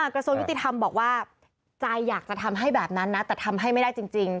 กระทรวงยุติธรรมบอกว่าใจอยากจะทำให้แบบนั้นนะแต่ทำให้ไม่ได้จริง